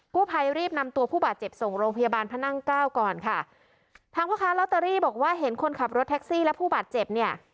ผู้ภัยรีบนำตัวผู้บาดเจ็บส่งโรงพยาบาลพระนั่งเก้าก่อนค่ะทางพ่อค้าลอตเตอรี่บอกว่าเห็นคนขับรถแท็กซี่และผู้บาดเจ็บเนี่ย